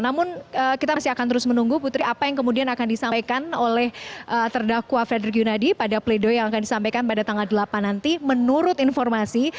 namun kita masih akan terus menunggu putri apa yang kemudian akan disampaikan oleh terdakwa frederick yunadi pada pleido yang akan disampaikan pada tanggal delapan nanti menurut informasi